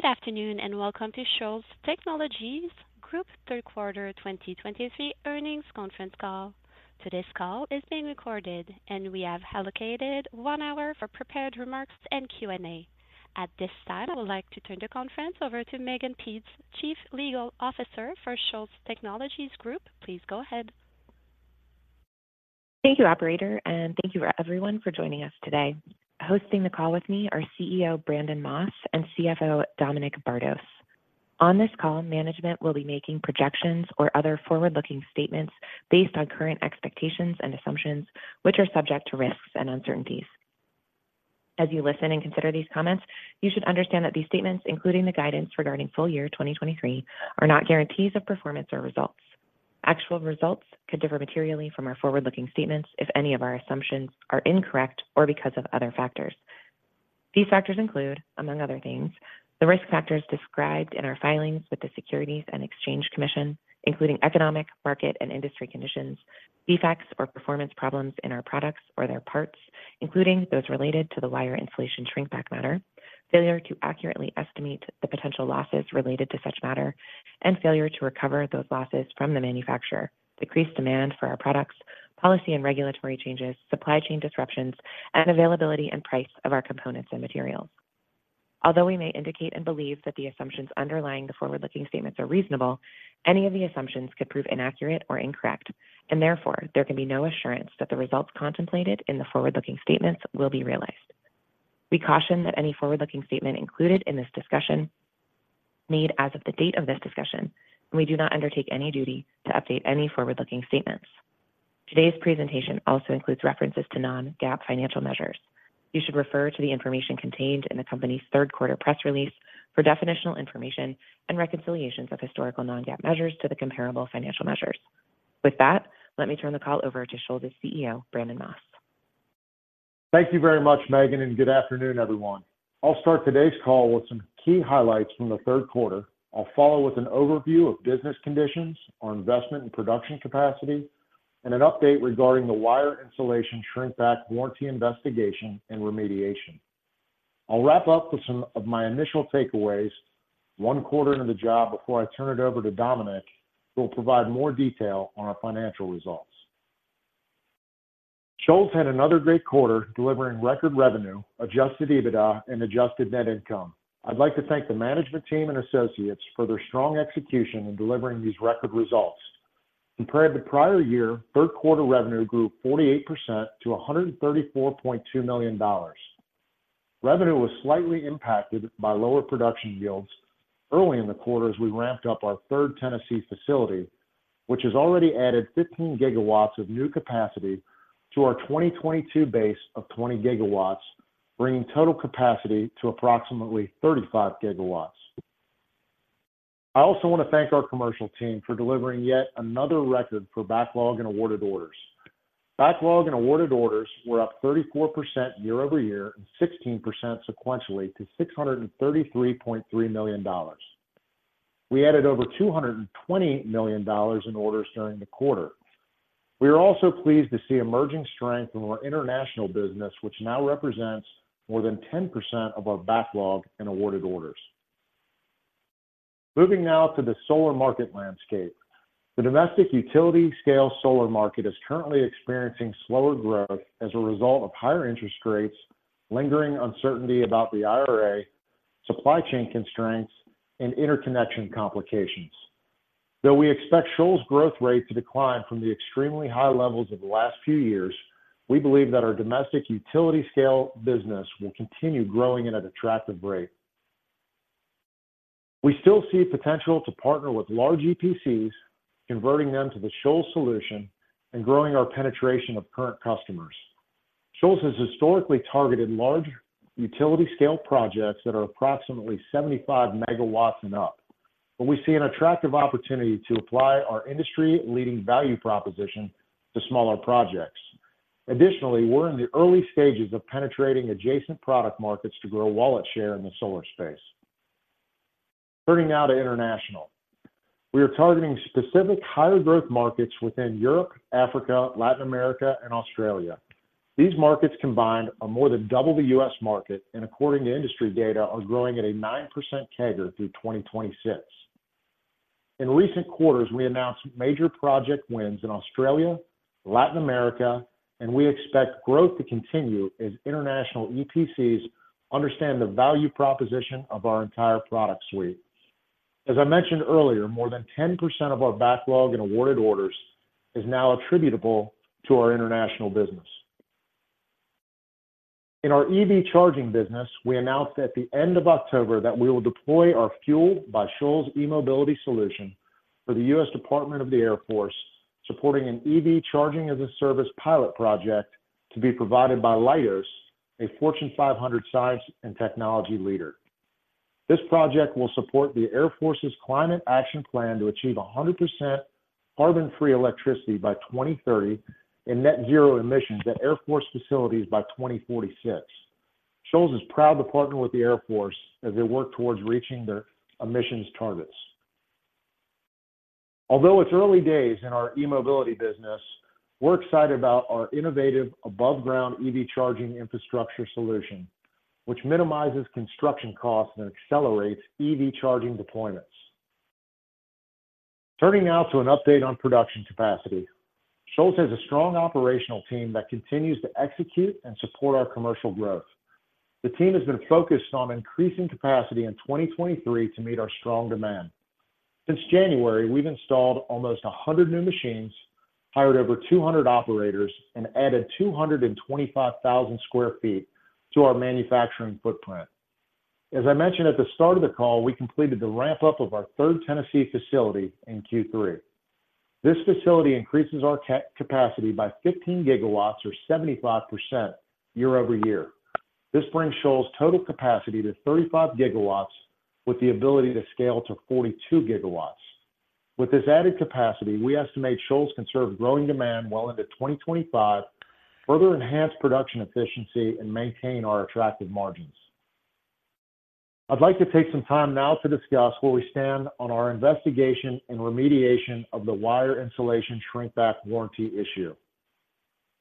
Good afternoon, and welcome to Shoals Technologies Group Q3 2023 Earnings Conference Call. Today's call is being recorded, and we have allocated 1 hour for prepared remarks and Q&A. At this time, I would like to turn the conference over to Mehgan Peetz, Chief Legal Officer for Shoals Technologies Group. Please go ahead. Thank you, operator, and thank you everyone for joining us today. Hosting the call with me are CEO, Brandon Moss, and CFO, Dominic Bardos. On this call, management will be making projections or other forward-looking statements based on current expectations and assumptions, which are subject to risks and uncertainties. As you listen and consider these comments, you should understand that these statements, including the guidance regarding full year 2023, are not guarantees of performance or results. Actual results could differ materially from our forward-looking statements if any of our assumptions are incorrect or because of other factors. These factors include, among other things, the risk factors described in our filings with the Securities and Exchange Commission, including economic, market, and industry conditions, defects or performance problems in our products or their parts, including those wire insulation shrinkback matter, failure to accurately estimate the potential losses related to such matter, and failure to recover those losses from the manufacturer. Decreased demand for our products, policy and regulatory changes, supply chain disruptions, and availability and price of our components and materials. Although we may indicate and believe that the assumptions underlying the forward-looking statements are reasonable, any of the assumptions could prove inaccurate or incorrect, and therefore, there can be no assurance that the results contemplated in the forward-looking statements will be realized. We caution that any forward-looking statement included in this discussion made as of the date of this discussion, and we do not undertake any duty to update any forward-looking statements. Today's presentation also includes references to non-GAAP financial measures. You should refer to the information contained in the company's Q3 press release for definitional information and reconciliations of historical non-GAAP measures to the comparable financial measures. With that, let me turn the call over to Shoals' CEO, Brandon Moss. Thank you very much, Mehgan, and good afternoon, everyone. I'll start today's call with some key highlights from the Q3. I'll follow with an overview of business conditions, our investment and production capacity, and a wire insulation shrinkback warranty investigation and remediation. I'll wrap up with some of my initial takeaways, one quarter into the job before I turn it over to Dominic, who will provide more detail on our financial results. Shoals had another great quarter, delivering record revenue, Adjusted EBITDA, and Adjusted Net Income. I'd like to thank the management team and associates for their strong execution in delivering these record results. Compared to the prior year, Q3 revenue grew 48% to $134.2 million. Revenue was slightly impacted by lower production yields early in the quarter as we ramped up our third Tennessee facility, which has already added 15 gigawatts of new capacity to our 2022 base of 20 gigawatts, bringing total capacity to approximately 35 gigawatts. I also want to thank our commercial team for delivering yet another record for backlog and awarded orders. Backlog and awarded orders were up 34% year-over-year and 16% sequentially to $633.3 million. We added over $220 million in orders during the quarter. We are also pleased to see emerging strength in our international business, which now represents more than 10% of our backlog and awarded orders. Moving now to the solar market landscape. The domestic utility-scale solar market is currently experiencing slower growth as a result of higher interest rates, lingering uncertainty about the IRA, supply chain constraints, and interconnection complications. Though we expect Shoals' growth rate to decline from the extremely high levels of the last few years, we believe that our domestic utility-scale business will continue growing at an attractive rate. We still see potential to partner with large EPCs, converting them to the Shoals solution and growing our penetration of current customers. Shoals has historically targeted large utility-scale projects that are approximately 75 MW and up, but we see an attractive opportunity to apply our industry-leading value proposition to smaller projects. Additionally, we're in the early stages of penetrating adjacent product markets to grow wallet share in the solar space. Turning now to international. We are targeting specific higher growth markets within Europe, Africa, Latin America, and Australia. These markets combined are more than double the U.S. market, and according to industry data, are growing at a 9% CAGR through 2026. In recent quarters, we announced major project wins in Australia, Latin America, and we expect growth to continue as international EPCs understand the value proposition of our entire product suite. As I mentioned earlier, more than 10% of our backlog in awarded orders is now attributable to our international business. In our EV charging business, we announced at the end of October that we will deploy our Fuel by Shoals eMobility solution for the U.S. Department of the Air Force, supporting an EV Charging as a Service pilot project to be provided by Leidos, a Fortune 500 science and technology leader. This project will support the Air Force's Climate Action Plan to achieve 100% carbon-free electricity by 2030 and net zero emissions at Air Force facilities by 2046. Shoals is proud to partner with the Air Force as they work towards reaching their emissions targets... Although it's early days in our e-mobility business, we're excited about our innovative above-ground EV charging infrastructure solution, which minimizes construction costs and accelerates EV charging deployments. Turning now to an update on production capacity. Shoals has a strong operational team that continues to execute and support our commercial growth. The team has been focused on increasing capacity in 2023 to meet our strong demand. Since January, we've installed almost 100 new machines, hired over 200 operators, and added 225,000 sq ft to our manufacturing footprint. As I mentioned at the start of the call, we completed the ramp-up of our third Tennessee facility in Q3. This facility increases our capacity by 15 gigawatts or 75% year-over-year. This brings Shoals' total capacity to 35 gigawatts, with the ability to scale to 42 gigawatts. With this added capacity, we estimate Shoals can serve growing demand well into 2025, further enhance production efficiency, and maintain our attractive margins. I'd like to take some time now to discuss where we stand on our investigation and wire insulation shrinkback warranty issue.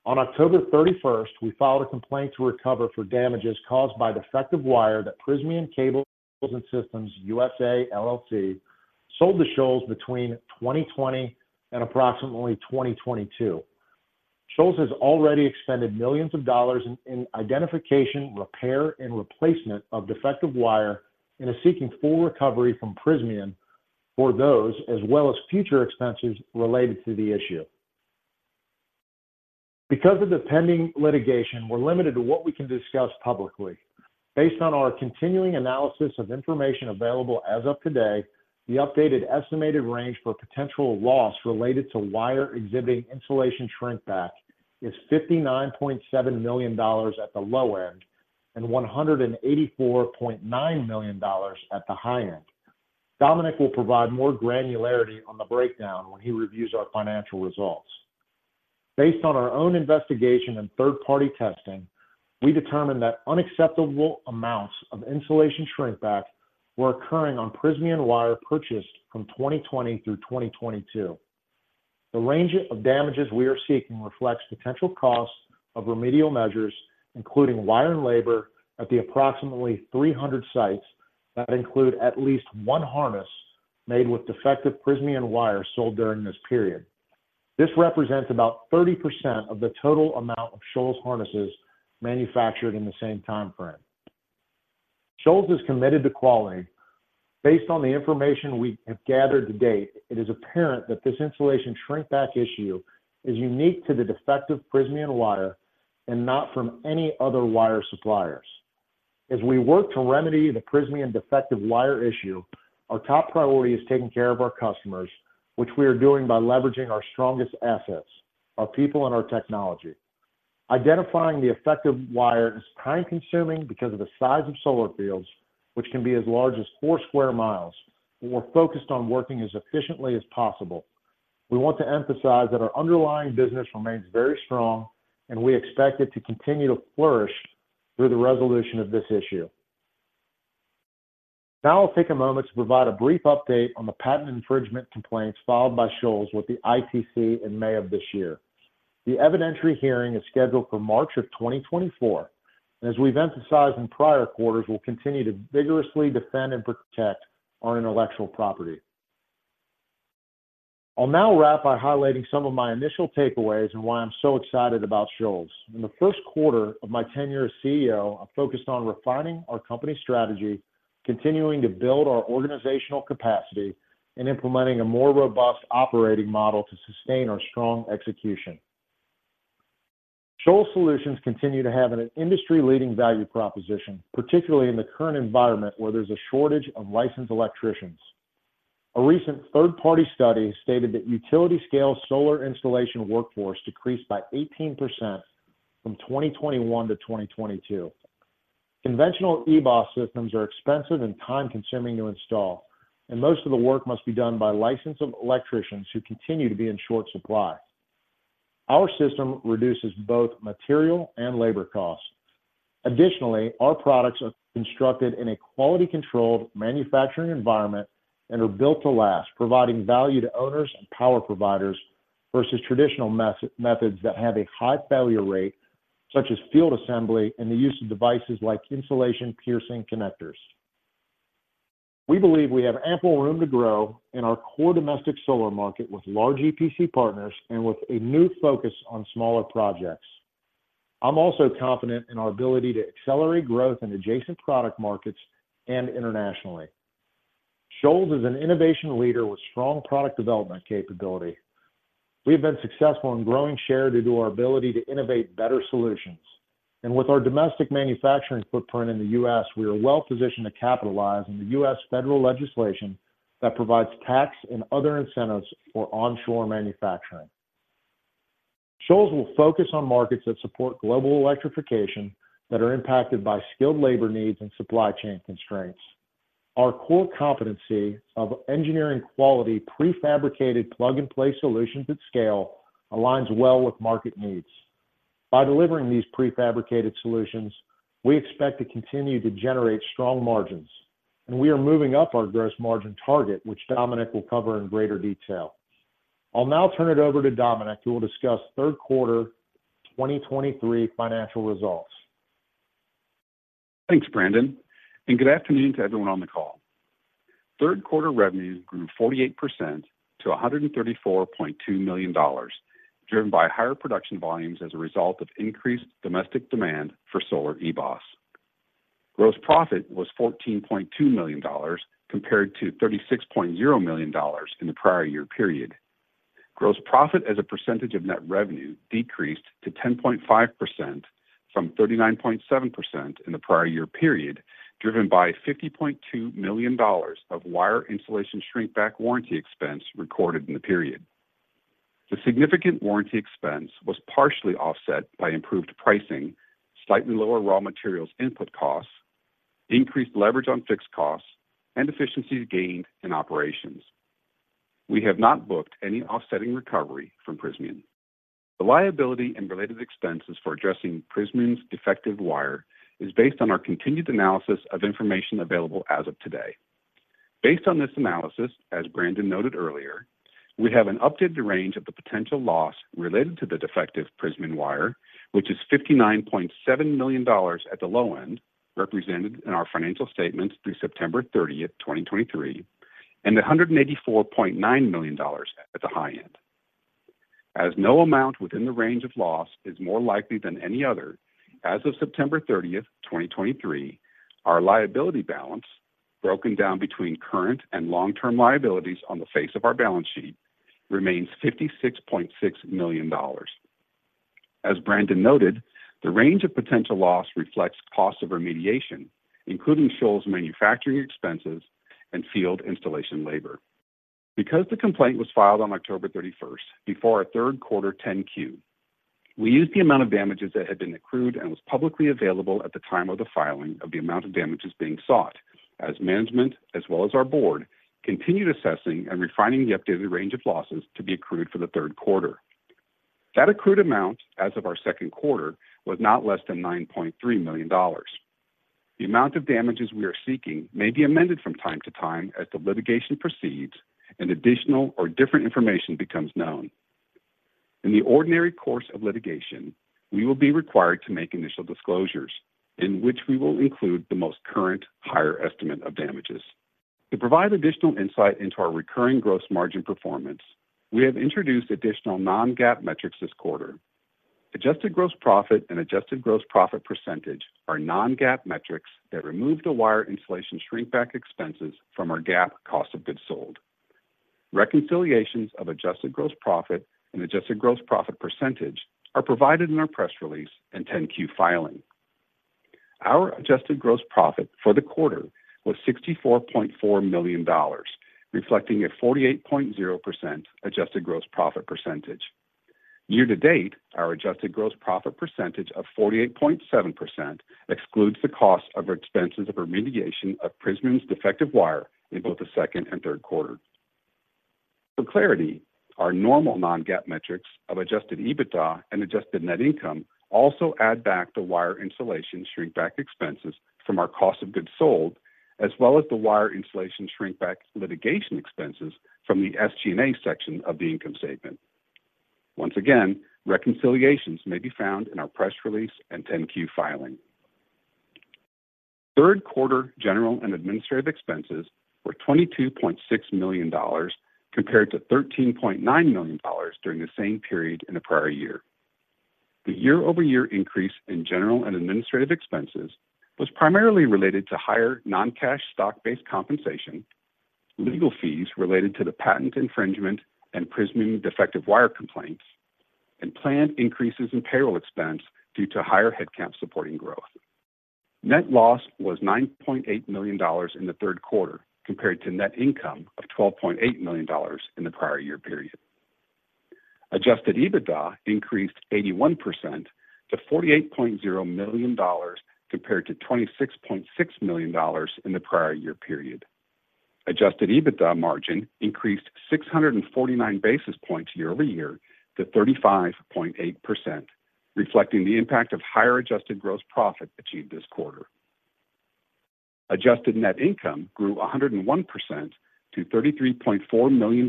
on October 31, we filed a complaint to recover for damages caused by defective wire that Prysmian Cable Systems USA, LLC, sold to Shoals between 2020 and approximately 2022. Shoals has already expended millions of dollars in identification, repair, and replacement of defective wire, and is seeking full recovery from Prysmian for those, as well as future expenses related to the issue. Because of the pending litigation, we're limited to what we can discuss publicly. Based on our continuing analysis of information available as of today, the updated estimated range for potential loss related to wire exhibiting insulation shrinkback is $59.7 million at the low end and $184.9 million at the high end. Dominic will provide more granularity on the breakdown when he reviews our financial results. Based on our own investigation and third-party testing, we determined that unacceptable amounts of insulation shrinkback were occurring on Prysmian wire purchased from 2020 through 2022. The range of damages we are seeking reflects potential costs of remedial measures, including wire and labor, at the approximately 300 sites that include at least one harness made with defective Prysmian wire sold during this period. This represents about 30% of the total amount of Shoals harnesses manufactured in the same time frame. Shoals is committed to quality. Based on the information we have gathered to date, it is apparent that this insulation shrinkback issue is unique to the defective Prysmian wire and not from any other wire suppliers. As we work to remedy the Prysmian defective wire issue, our top priority is taking care of our customers, which we are doing by leveraging our strongest assets, our people and our technology. Identifying the defective wire is time-consuming because of the size of solar fields, which can be as large as 4 sq mi, but we're focused on working as efficiently as possible. We want to emphasize that our underlying business remains very strong, and we expect it to continue to flourish through the resolution of this issue. Now, I'll take a moment to provide a brief update on the patent infringement complaints filed by Shoals with the ITC in May of this year. The evidentiary hearing is scheduled for March of 2024, and as we've emphasized in prior quarters, we'll continue to vigorously defend and protect our intellectual property. I'll now wrap by highlighting some of my initial takeaways and why I'm so excited about Shoals. In the Q1 of my tenure as CEO, I've focused on refining our company strategy, continuing to build our organizational capacity, and implementing a more robust operating model to sustain our strong execution. Shoals solutions continue to have an industry-leading value proposition, particularly in the current environment where there's a shortage of licensed electricians. A recent third-party study stated that utility-scale solar installation workforce decreased by 18% from 2021 to 2022. Conventional EBOS systems are expensive and time-consuming to install, and most of the work must be done by licensed electricians who continue to be in short supply. Our system reduces both material and labor costs. Additionally, our products are constructed in a quality-controlled manufacturing environment and are built to last, providing value to owners and power providers, versus traditional methods that have a high failure rate, such as field assembly and the use of devices like insulation piercing connectors. We believe we have ample room to grow in our core domestic solar market with large EPC partners and with a new focus on smaller projects. I'm also confident in our ability to accelerate growth in adjacent product markets and internationally. Shoals is an innovation leader with strong product development capability. We've been successful in growing share due to our ability to innovate better solutions. With our domestic manufacturing footprint in the U.S., we are well positioned to capitalize on the U.S. federal legislation that provides tax and other incentives for onshore manufacturing. Shoals will focus on markets that support global electrification, that are impacted by skilled labor needs and supply chain constraints. Our core competency of engineering quality, prefabricated plug-and-play solutions at scale aligns well with market needs.... By delivering these prefabricated solutions, we expect to continue to generate strong margins, and we are moving up our gross margin target, which Dominic will cover in greater detail. I'll now turn it over to Dominic, who will discuss Q3 2023 financial results. Thanks, Brandon, and good afternoon to everyone on the call. Q3 revenues grew 48% to $134.2 million, driven by higher production volumes as a result of increased domestic demand for solar EBOS. Gross profit was $14.2 million, compared to $36.0 million in the prior year period. Gross profit as a percentage of net revenue decreased to 10.5% from 39.7% in the prior year period, driven by wire insulation shrinkback warranty expense recorded in the period. The significant warranty expense was partially offset by improved pricing, slightly lower raw materials input costs, increased leverage on fixed costs, and efficiencies gained in operations. We have not booked any offsetting recovery from Prysmian. The liability and related expenses for addressing Prysmian's defective wire is based on our continued analysis of information available as of today. Based on this analysis, as Brandon noted earlier, we have an updated range of the potential loss related to the defective Prysmian wire, which is $59.7 million-$184.9 million. As no amount within the range of loss is more likely than any other, as of September thirtieth, 2023, our liability balance, broken down between current and long-term liabilities on the face of our balance sheet, remains $56.6 million. As Brandon noted, the range of potential loss reflects costs of remediation, including Shoals' manufacturing expenses and field installation labor. Because the complaint was filed on October 31st, before our Q3 10-Q, we used the amount of damages that had been accrued and was publicly available at the time of the filing of the amount of damages being sought as management, as well as our board, continued assessing and refining the updated range of losses to be accrued for the Q3. That accrued amount, as of our Q2, was not less than $9.3 million. The amount of damages we are seeking may be amended from time to time as the litigation proceeds and additional or different information becomes known. In the ordinary course of litigation, we will be required to make initial disclosures, in which we will include the most current, higher estimate of damages. To provide additional insight into our recurring gross margin performance, we have introduced additional non-GAAP metrics this quarter. Adjusted gross profit and adjusted gross profit percentage are non-GAAP metrics exclude wire insulation shrinkback expenses from our GAAP cost of goods sold. Reconciliations of adjusted gross profit and adjusted gross profit percentage are provided in our press release and 10-Q filing. Our adjusted gross profit for the quarter was $64.4 million, reflecting a 48.0% adjusted gross profit percentage. Year to date, our adjusted gross profit percentage of 48.7% excludes the cost of our expenses of remediation of Prysmian’s defective wire in both the second and Q3. For clarity, our normal non-GAAP metrics of Adjusted EBITDA and adjusted net income also exclude wire insulation shrinkback expenses from our cost of goods sold, as wire insulation shrinkback litigation expenses are excluded from the SG&A section of the income statement. Once again, reconciliations may be found in our press release and 10-Q filing. Q3 general and administrative expenses were $22.6 million, compared to $13.9 million during the same period in the prior year. The year-over-year increase in general and administrative expenses was primarily related to higher non-cash stock-based compensation, legal fees related to the patent infringement and Prysmian defective wire complaints, and planned increases in payroll expense due to higher head count supporting growth. Net loss was $9.8 million in the Q3, compared to net income of $12.8 million in the prior year period. Adjusted EBITDA increased 81% to $48.0 million, compared to $26.6 million in the prior year period. Adjusted EBITDA margin increased 649 basis points year-over-year to 35.8%, reflecting the impact of higher adjusted gross profit achieved this quarter. Adjusted net income grew 101% to $33.4 million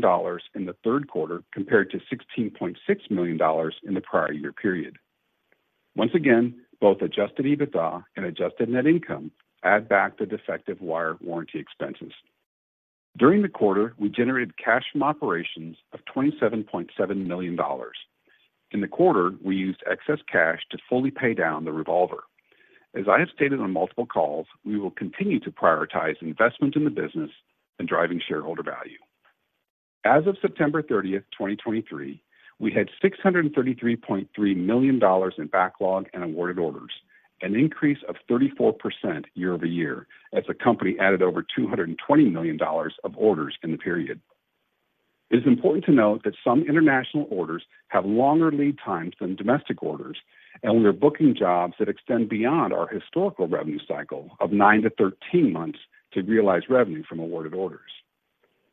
in the Q3, compared to $16.6 million in the prior year period. Once again, both Adjusted EBITDA and adjusted net income add back the defective wire warranty expenses. During the quarter, we generated cash from operations of $27.7 million. In the quarter, we used excess cash to fully pay down the revolver. As I have stated on multiple calls, we will continue to prioritize investment in the business and driving shareholder value. As of September 30, 2023, we had $633.3 million in backlog and awarded orders, an increase of 34% year-over-year, as the company added over $220 million of orders in the period. It is important to note that some international orders have longer lead times than domestic orders, and we are booking jobs that extend beyond our historical revenue cycle of 9-13 months to realize revenue from awarded orders....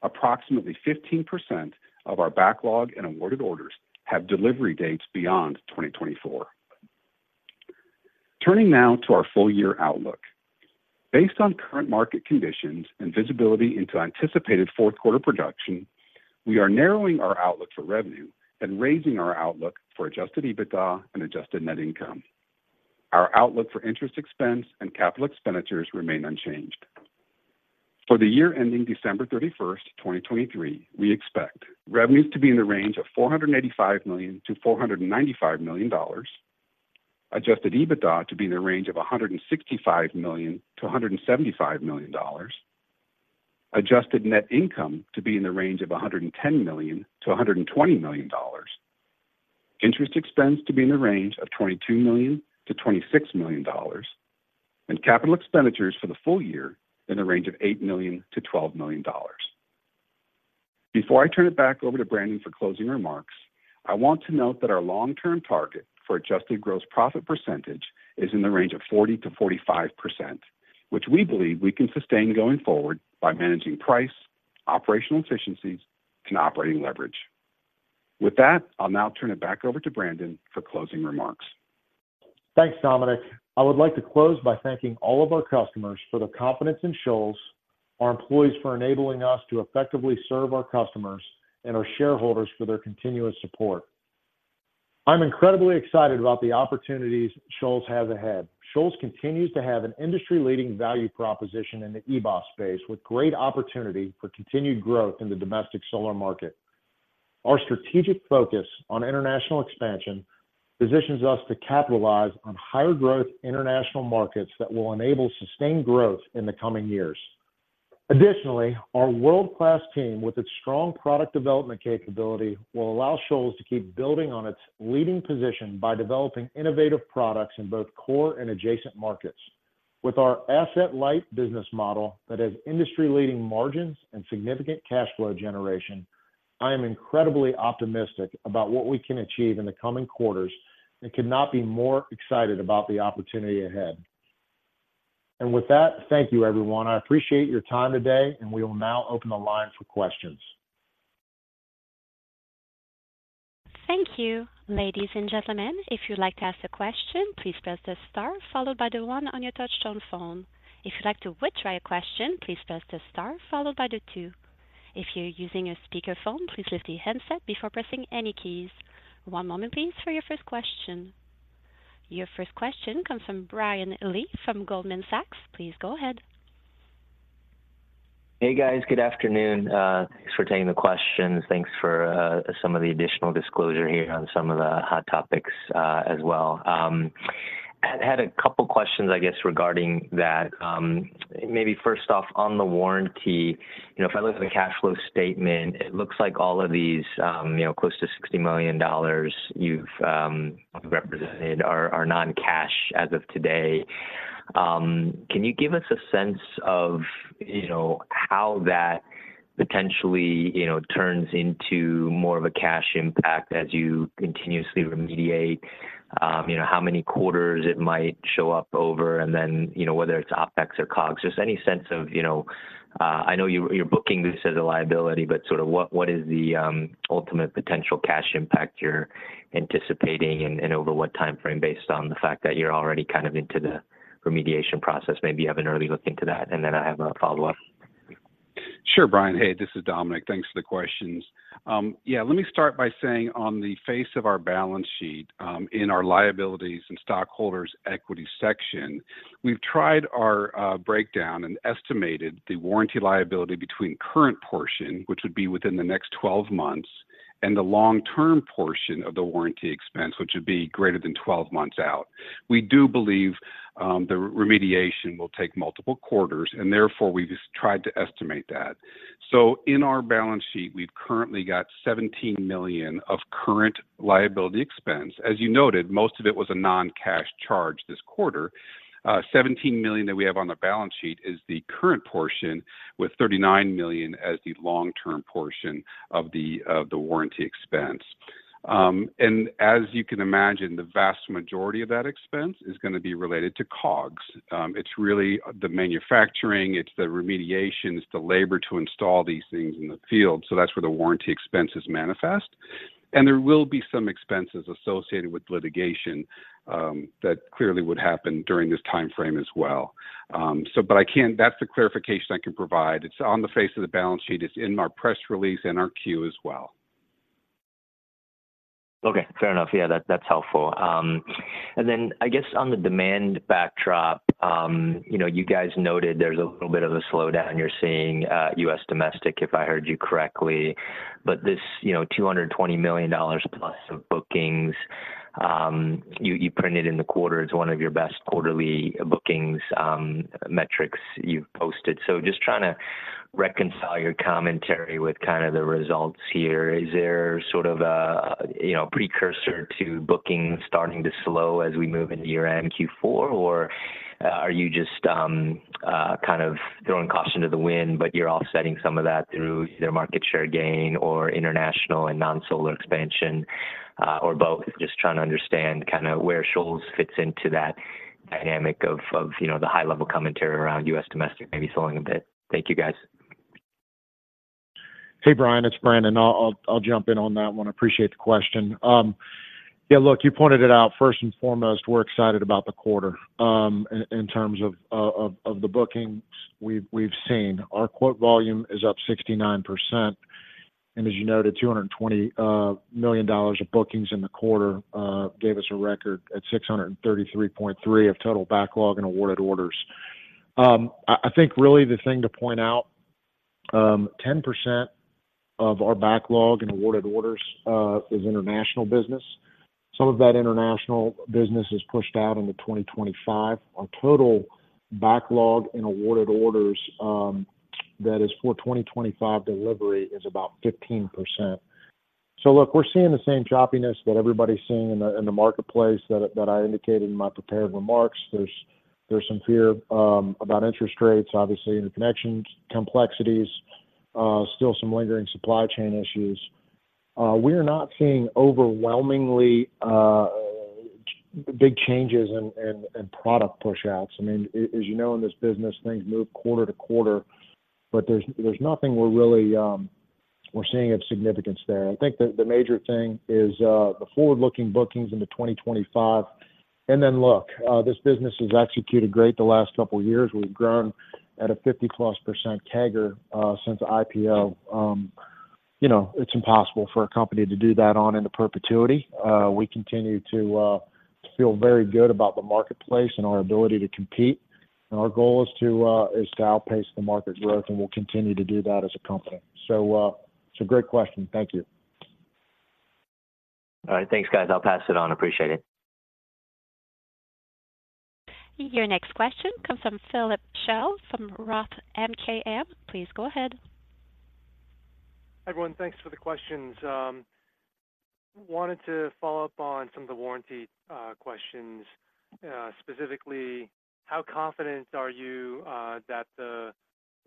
approximately 15% of our backlog and awarded orders have delivery dates beyond 2024. Turning now to our full year outlook. Based on current market conditions and visibility into anticipated Q4 production, we are narrowing our outlook for revenue and raising our outlook for Adjusted EBITDA and adjusted net income. Our outlook for interest expense and capital expenditures remain unchanged. For the year ending December 31, 2023, we expect revenues to be in the range of $485 million-$495 million. Adjusted EBITDA to be in the range of $165 million-$175 million. Adjusted Net Income to be in the range of $110 million-$120 million. Interest expense to be in the range of $22 million-$26 million, and capital expenditures for the full year in the range of $8 million-$12 million. Before I turn it back over to Brandon for closing remarks, I want to note that our long-term target for Adjusted Gross Profit percentage is in the range of 40%-45%, which we believe we can sustain going forward by managing price, operational efficiencies, and operating leverage. With that, I'll now turn it back over to Brandon for closing remarks. Thanks, Dominic. I would like to close by thanking all of our customers for their confidence in Shoals, our employees for enabling us to effectively serve our customers, and our shareholders for their continuous support. I'm incredibly excited about the opportunities Shoals has ahead. Shoals continues to have an industry-leading value proposition in the EBOS space, with great opportunity for continued growth in the domestic solar market. Our strategic focus on international expansion positions us to capitalize on higher growth international markets that will enable sustained growth in the coming years. Additionally, our world-class team, with its strong product development capability, will allow Shoals to keep building on its leading position by developing innovative products in both core and adjacent markets. With our asset-light business model that has industry-leading margins and significant cash flow generation, I am incredibly optimistic about what we can achieve in the coming quarters and could not be more excited about the opportunity ahead. With that, thank you, everyone. I appreciate your time today, and we will now open the line for questions. Thank you. Ladies and gentlemen, if you'd like to ask a question, please press the star followed by the one on your touch-tone phone. If you'd like to withdraw your question, please press the star followed by the two. If you're using a speakerphone, please lift the handset before pressing any keys. One moment please, for your first question. Your first question comes from Brian Lee from Goldman Sachs. Please go ahead. Hey, guys. Good afternoon. Thanks for taking the questions. Thanks for some of the additional disclosure here on some of the hot topics as well. I had a couple questions, I guess, regarding that. Maybe first off, on the warranty, you know, if I look at the cash flow statement, it looks like all of these, you know, close to $60 million you've represented are non-cash as of today. Can you give us a sense of, you know, how that potentially, you know, turns into more of a cash impact as you continuously remediate? You know, how many quarters it might show up over, and then, you know, whether it's OpEx or COGS? Just any sense of, you know, I know you're booking this as a liability, but sort of what is the ultimate potential cash impact you're anticipating, and over what timeframe, based on the fact that you're already kind of into the remediation process? Maybe you have an early look into that, and then I have a follow-up. Sure, Brian. Hey, this is Dominic. Thanks for the questions. Yeah, let me start by saying on the face of our balance sheet, in our liabilities and stockholders' equity section, we've tried our breakdown and estimated the warranty liability between current portion, which would be within the next 12 months, and the long-term portion of the warranty expense, which would be greater than 12 months out. We do believe the remediation will take multiple quarters, and therefore, we've just tried to estimate that. In our balance sheet, we've currently got $17 million of current liability expense. As you noted, most of it was a non-cash charge this quarter. $17 million that we have on the balance sheet is the current portion, with $39 million as the long-term portion of the warranty expense. And as you can imagine, the vast majority of that expense is gonna be related to COGS. It's really the manufacturing, it's the remediation, it's the labor to install these things in the field. So that's where the warranty expenses manifest. And there will be some expenses associated with litigation, that clearly would happen during this timeframe as well. That's the clarification I can provide. It's on the face of the balance sheet. It's in our press release and our Q as well. Okay, fair enough. Yeah, that, that's helpful. And then I guess on the demand backdrop, you know, you guys noted there's a little bit of a slowdown you're seeing, U.S. domestic, if I heard you correctly. But this, you know, $220 million plus of bookings, you printed in the quarter, it's one of your best quarterly bookings, metrics you've posted. So just trying to reconcile your commentary with kind of the results here. Is there sort of a, you know, precursor to bookings starting to slow as we move into year-end Q4? Or are you just, kind of throwing caution to the wind, but you're offsetting some of that through either market share gain or international and non-solar expansion, or both? Just trying to understand kind of where Shoals fits into that.... dynamic of, you know, the high-level commentary around U.S. domestic maybe slowing a bit. Thank you, guys. Hey, Brian, it's Brandon. I'll jump in on that one. I appreciate the question. Yeah, look, you pointed it out. First and foremost, we're excited about the quarter, in terms of the bookings we've seen. Our quote volume is up 69%, and as you noted, $220 million of bookings in the quarter gave us a record at 633.3 of total backlog and awarded orders. I think really the thing to point out, 10% of our backlog and awarded orders is international business. Some of that international business is pushed out into 2025. Our total backlog and awarded orders that is for 2025 delivery is about 15%. So look, we're seeing the same choppiness that everybody's seeing in the marketplace that I indicated in my prepared remarks. There's some fear about interest rates, obviously, interconnections, complexities, still some lingering supply chain issues. We are not seeing overwhelmingly big changes in product push-outs. I mean, as you know, in this business, things move quarter to quarter, but there's nothing we're really seeing of significance there. I think the major thing is the forward-looking bookings into 2025. And then, look, this business has executed great the last couple of years. We've grown at a 50%+ CAGR since the IPO. You know, it's impossible for a company to do that on into perpetuity. We continue to feel very good about the marketplace and our ability to compete, and our goal is to outpace the market growth, and we'll continue to do that as a company. So, it's a great question. Thank you. All right. Thanks, guys. I'll pass it on. Appreciate it. Your next question comes from Philip Shen, from Roth MKM. Please go ahead. Hi, everyone. Thanks for the questions. Wanted to follow up on some of the warranty questions. Specifically, how confident are you that the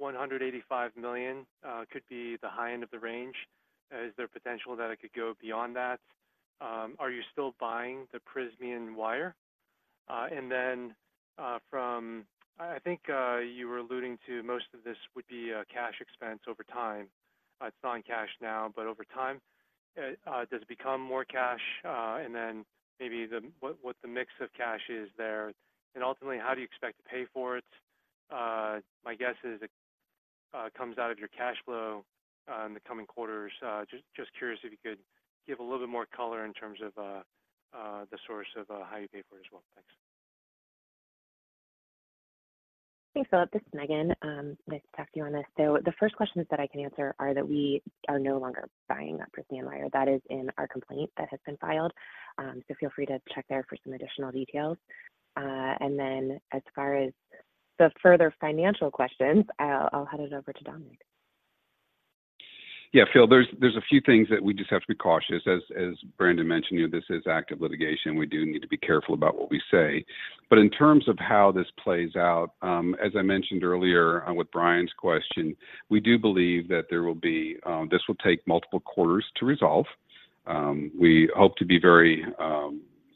$185 million could be the high end of the range? Is there potential that it could go beyond that? Are you still buying the Prysmian wire? And then, from... I think you were alluding to most of this would be a cash expense over time. It's not in cash now, but over time, does it become more cash? And then maybe what the mix of cash is there, and ultimately, how do you expect to pay for it? My guess is it comes out of your cash flow in the coming quarters. Just, just curious if you could give a little bit more color in terms of the source of how you pay for it as well. Thanks. Thanks, Philip. This is Mehgan. Nice to talk to you on this. So the first questions that I can answer are that we are no longer buying that Prysmian wire. That is in our complaint that has been filed. So feel free to check there for some additional details. And then as far as the further financial questions, I'll, I'll hand it over to Dominic. Yeah, Phil, there's a few things that we just have to be cautious. As Brandon mentioned, you know, this is active litigation. We do need to be careful about what we say. But in terms of how this plays out, as I mentioned earlier with Brian's question, we do believe that there will be, this will take multiple quarters to resolve. We hope to be very,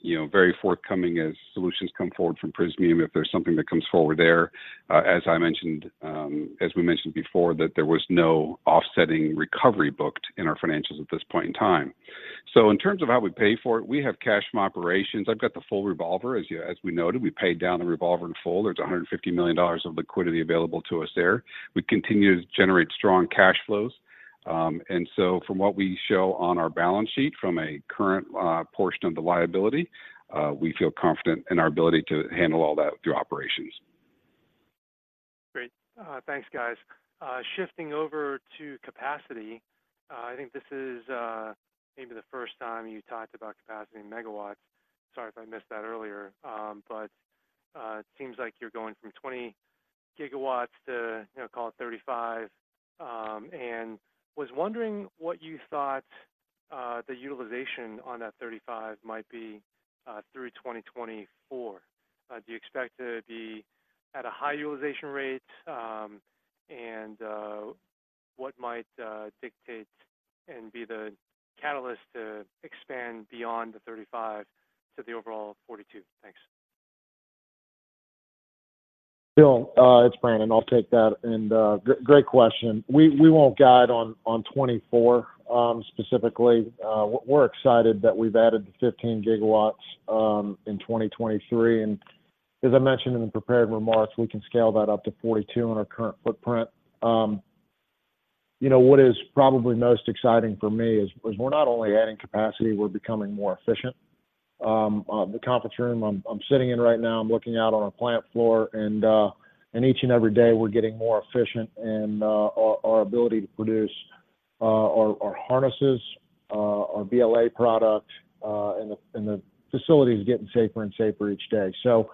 you know, very forthcoming as solutions come forward from Prysmian, if there's something that comes forward there. As I mentioned, as we mentioned before, that there was no offsetting recovery booked in our financials at this point in time. So in terms of how we pay for it, we have cash from operations. I've got the full revolver, as we noted, we paid down the revolver in full. There's $150 million of liquidity available to us there. We continue to generate strong cash flows. And so from what we show on our balance sheet, from a current portion of the liability, we feel confident in our ability to handle all that through operations. Great. Thanks, guys. Shifting over to capacity, I think this is maybe the first time you talked about capacity in megawatts. Sorry if I missed that earlier. It seems like you're going from 20 gigawatts to, you know, call it 35, and was wondering what you thought the utilization on that 35 might be through 2024. Do you expect to be at a high utilization rate? What might dictate and be the catalyst to expand beyond the 35 to the overall 42? Thanks. Phil, it's Brandon. I'll take that, and great question. We won't guide on 2024 specifically. We're excited that we've added 15 gigawatts in 2023, and as I mentioned in the prepared remarks, we can scale that up to 42 in our current footprint. You know, what is probably most exciting for me is we're not only adding capacity, we're becoming more efficient. The conference room I'm sitting in right now, I'm looking out on our plant floor, and each and every day, we're getting more efficient in our ability to produce our harnesses, our BLA product, and the facility is getting safer and safer each day. So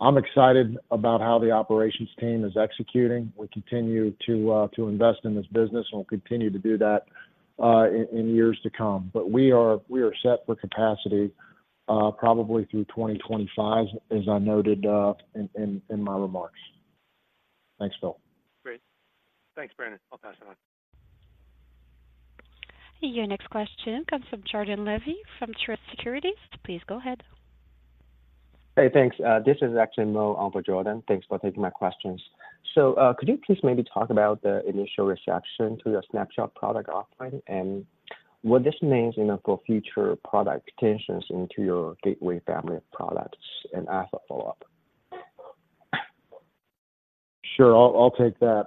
I'm excited about how the operations team is executing. We continue to invest in this business, and we'll continue to do that in years to come. But we are set for capacity probably through 2025, as I noted in my remarks. Thanks, Phil. Great. Thanks, Brandon. I'll pass it on.... Your next question comes from Jordan Levy, from Truist Securities. Please go ahead. Hey, thanks. This is actually Mo on for Jordan. Thanks for taking my questions. So, could you please maybe talk about the initial reception to your SnapShot product offering, and what this means, you know, for future product extensions into your Gateway family of products? And I have a follow-up. Sure. I'll, I'll take that.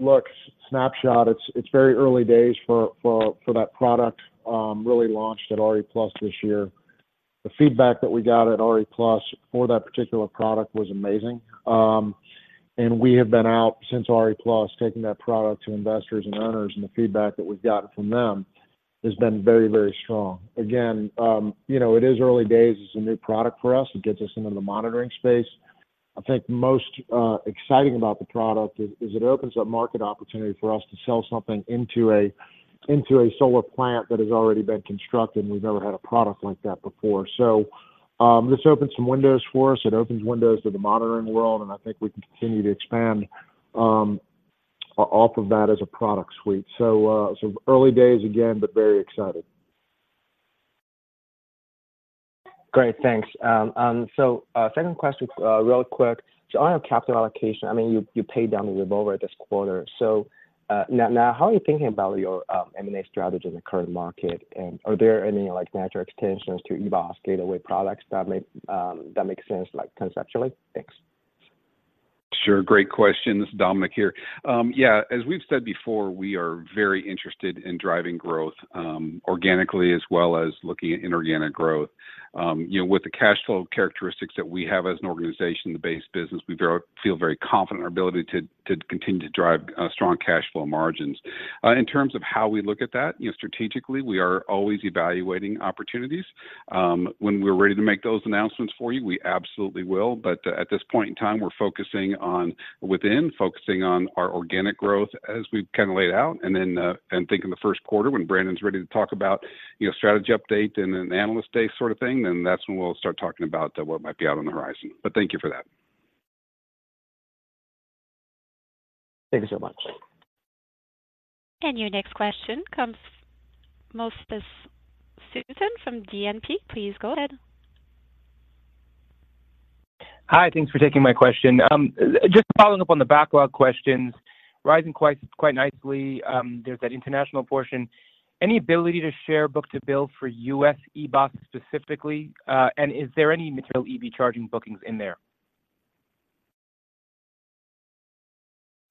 Look, SnapShot, it's, it's very early days for, for, for that product, really launched at RE+ this year. The feedback that we got at RE+ for that particular product was amazing. And we have been out since RE+ taking that product to investors and owners, and the feedback that we've gotten from them has been very, very strong. Again, you know, it is early days. It's a new product for us. It gets us into the monitoring space. I think most exciting about the product is, is it opens up market opportunity for us to sell something into a, into a solar plant that has already been constructed, and we've never had a product like that before. So, this opens some windows for us. It opens windows to the monitoring world, and I think we can continue to expand off of that as a product suite. So early days again, but very excited. Great, thanks. Second question, really quick. So on our capital allocation, I mean, you paid down the revolver this quarter. So now, how are you thinking about your M&A strategy in the current market? And are there any, like, natural extensions to EBOS Gateway products that make sense, like, conceptually? Thanks. Sure. Great question. This is Dominic here. Yeah, as we've said before, we are very interested in driving growth, organically, as well as looking at inorganic growth. You know, with the cash flow characteristics that we have as an organization, the base business, we feel very confident in our ability to continue to drive strong cash flow margins. In terms of how we look at that, you know, strategically, we are always evaluating opportunities. When we're ready to make those announcements for you, we absolutely will. But, at this point in time, we're focusing on our organic growth as we've kind of laid out. And then think in the Q1, when Brandon's ready to talk about, you know, strategy update and an analyst day sort of thing, then that's when we'll start talking about what might be out on the horizon. But thank you for that. Thank you so much. Your next question comes from Susan from DNB. Please go ahead. Hi, thanks for taking my question. Just following up on the backlog questions, rising quite, quite nicely, there's that international portion. Any ability to share Book-to-Bill for U.S. EBOS specifically? And is there any material EV charging bookings in there?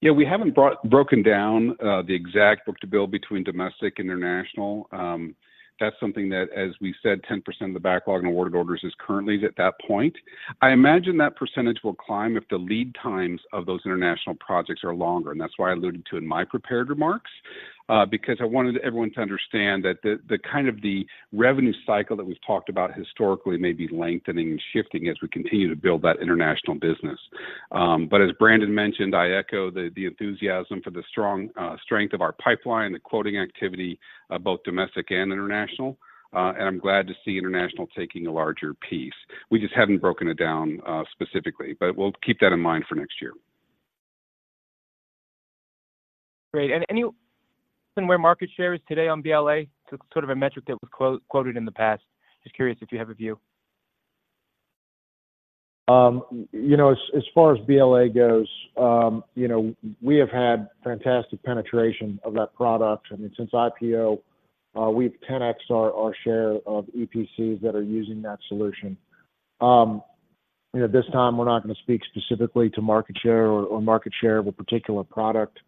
Yeah, we haven't broken down the exact book-to-bill between domestic and international. That's something that, as we said, 10% of the backlog and awarded orders is currently at that point. I imagine that percentage will climb if the lead times of those international projects are longer, and that's why I alluded to in my prepared remarks. Because I wanted everyone to understand that the kind of the revenue cycle that we've talked about historically may be lengthening and shifting as we continue to build that international business. But as Brandon mentioned, I echo the enthusiasm for the strong strength of our pipeline, the quoting activity both domestic and international. And I'm glad to see international taking a larger piece. We just haven't broken it down specifically, but we'll keep that in mind for next year. Great. Where is market share today on BLA? Sort of a metric that was quoted in the past. Just curious if you have a view. You know, as far as BLA goes, you know, we have had fantastic penetration of that product. I mean, since IPO, we've 10x our share of EPCs that are using that solution. You know, at this time, we're not going to speak specifically to market share or market share of a particular product.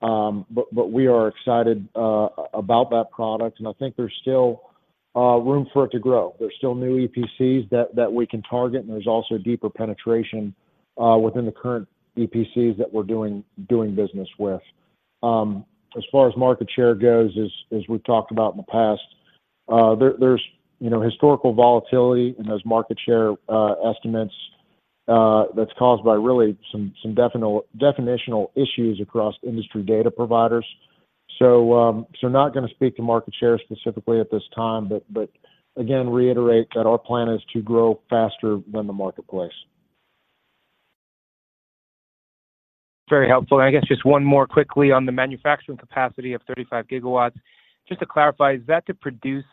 But we are excited about that product, and I think there's still room for it to grow. There's still new EPCs that we can target, and there's also deeper penetration within the current EPCs that we're doing business with. As far as market share goes, as we've talked about in the past, there's you know, historical volatility in those market share estimates that's caused by really some definitional issues across industry data providers. So, not gonna speak to market share specifically at this time, but again, reiterate that our plan is to grow faster than the marketplace. Very helpful. And I guess just one more quickly on the manufacturing capacity of 35 gigawatts. Just to clarify, is that to produce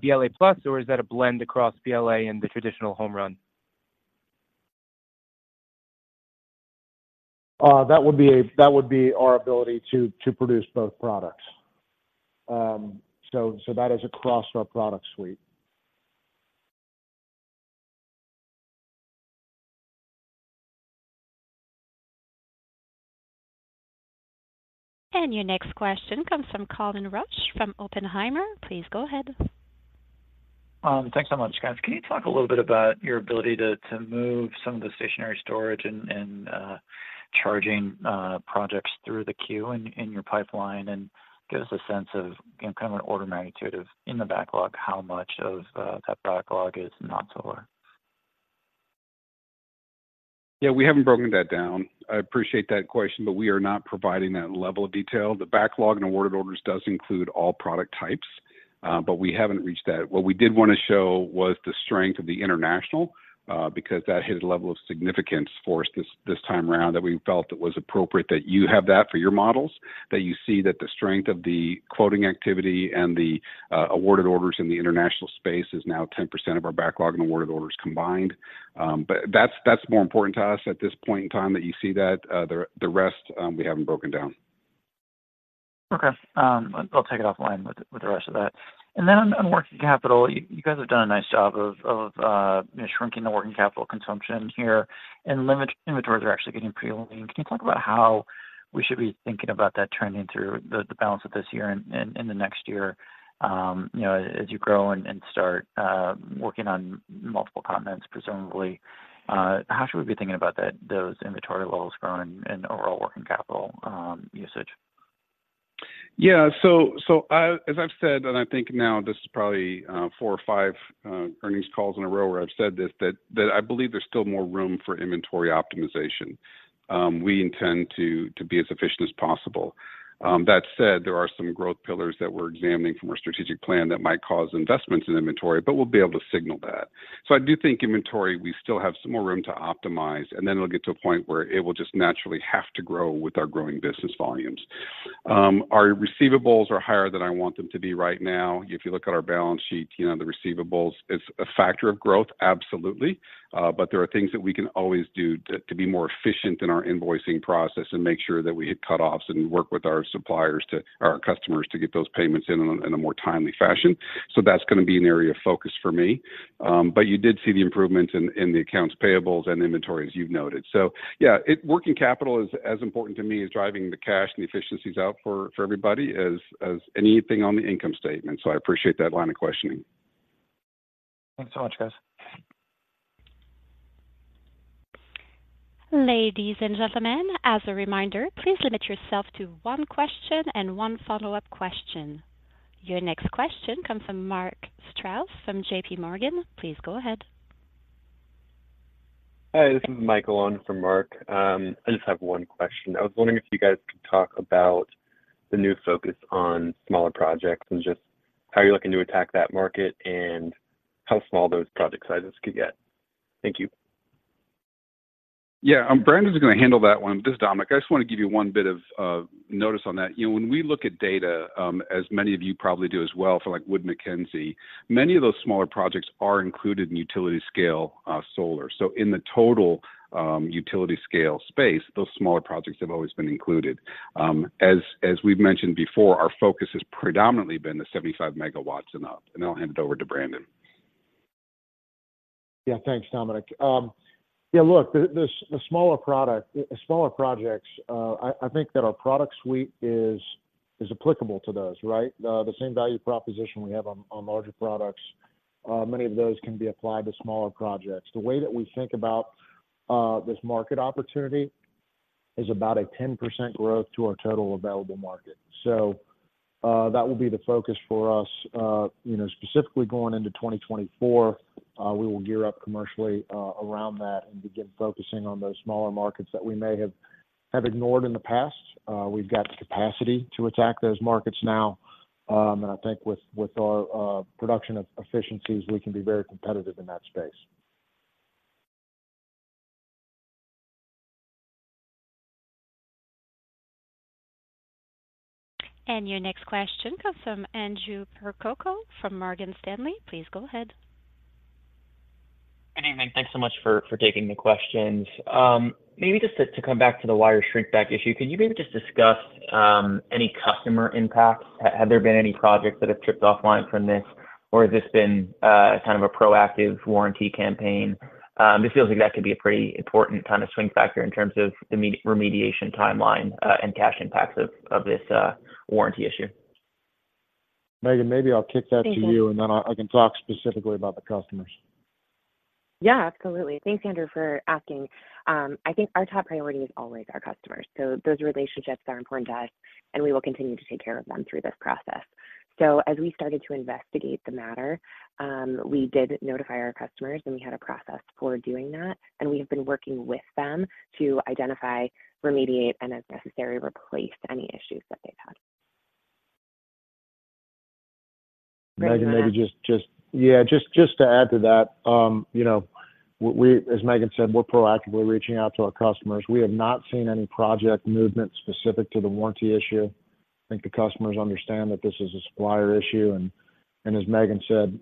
BLA+, or is that a blend across BLA and the traditional home run? That would be our ability to produce both products. So that is across our product suite. Your next question comes from Colin Rusch, from Oppenheimer. Please go ahead. Thanks so much, guys. Can you talk a little bit about your ability to move some of the stationary storage and charging projects through the Q in your pipeline, and give us a sense of, you know, kind of an order of magnitude in the backlog, how much of that backlog is not solar? Yeah, we haven't broken that down. I appreciate that question, but we are not providing that level of detail. The Backlog and Awarded Orders does include all product types, but we haven't reached that. What we did want to show was the strength of the international, because that hit a level of significance for us this time around, that we felt it was appropriate that you have that for your models, that you see that the strength of the quoting activity and the awarded orders in the international space is now 10% of our Backlog and Awarded Orders combined. But that's more important to us at this point in time that you see that. The rest, we haven't broken down. Okay. I'll take it offline with the rest of that. And then on working capital, you guys have done a nice job of shrinking the working capital consumption here, and limited inventories are actually getting pretty lean. Can you talk about how we should be thinking about that trending through the balance of this year and the next year, you know, as you grow and start working on multiple continents, presumably? How should we be thinking about those inventory levels growing and overall working capital usage? Yeah. So, as I've said, and I think now this is probably 4 or 5 earnings calls in a row where I've said this, that I believe there's still more room for inventory optimization. We intend to be as efficient as possible. That said, there are some growth pillars that we're examining from our strategic plan that might cause investments in inventory, but we'll be able to signal that. So I do think inventory, we still have some more room to optimize, and then it'll get to a point where it will just naturally have to grow with our growing business volumes. Our receivables are higher than I want them to be right now. If you look at our balance sheet, you know, the receivables, it's a factor of growth, absolutely. But there are things that we can always do to be more efficient in our invoicing process and make sure that we hit cutoffs and work with our customers to get those payments in a more timely fashion. So that's going to be an area of focus for me. But you did see the improvements in the accounts payables and inventory, as you've noted. So yeah, working capital is as important to me as driving the cash and the efficiencies out for everybody as anything on the income statement. So I appreciate that line of questioning. Thanks so much, guys. Ladies and gentlemen, as a reminder, please limit yourself to one question and one follow-up question. Your next question comes from Mark Strouse from JP Morgan. Please go ahead. Hi, this is Michael on from Mark. I just have one question. I was wondering if you guys could talk about the new focus on smaller projects and just how you're looking to attack that market and how small those project sizes could get. Thank you. Yeah, Brandon is going to handle that one. This is Dominic. I just want to give you one bit of notice on that. You know, when we look at data, as many of you probably do as well for, like, Wood Mackenzie, many of those smaller projects are included in utility-scale solar. So in the total utility-scale space, those smaller projects have always been included. As we've mentioned before, our focus has predominantly been the 75 megawatts and up, and I'll hand it over to Brandon. Yeah, thanks, Dominic. Yeah, look, the smaller product, the smaller projects, I think that our product suite is applicable to those, right? The same value proposition we have on larger products, many of those can be applied to smaller projects. The way that we think about this market opportunity is about a 10% growth to our total available market. So, that will be the focus for us. You know, specifically going into 2024, we will gear up commercially around that and begin focusing on those smaller markets that we may have ignored in the past. We've got the capacity to attack those markets now, and I think with our production of efficiencies, we can be very competitive in that space. Your next question comes from Andrew Percoco from Morgan Stanley. Please go ahead. Good evening. Thanks so much for, for taking the questions. Maybe just to, to come back to the wire shrink back issue, could you maybe just discuss any customer impacts? Have there been any projects that have tripped offline from this, or has this been kind of a proactive warranty campaign? This feels like that could be a pretty important kind of swing factor in terms of the remediation timeline, and cash impacts of, of this warranty issue. Mehgan, maybe I'll kick that to you- Thank you. and then I can talk specifically about the customers. Yeah, absolutely. Thanks, Andrew, for asking. I think our top priority is always our customers, so those relationships are important to us, and we will continue to take care of them through this process. So as we started to investigate the matter, we did notify our customers, and we had a process for doing that, and we have been working with them to identify, remediate, and as necessary, replace any issues that they've had. Megan, maybe just to add to that, you know, we, as Megan said, we're proactively reaching out to our customers. We have not seen any project movement specific to the warranty issue. I think the customers understand that this is a supplier issue, and as Megan said,